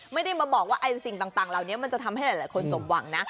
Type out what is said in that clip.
ไม่ได้มาบอกว่าสิ่งต่างเหล่านี้มันจะทำให้หลายคนสมหวังนะ